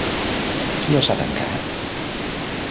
Qui els ha tancat?